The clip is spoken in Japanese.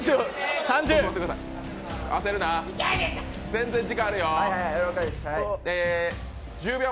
全然時間あるよ。